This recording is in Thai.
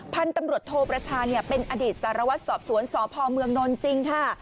พันธุ์ตำรวจโทประชาเป็นอดีตสารวัตรสอบสวนสพเมืองนนท์จริงค่ะ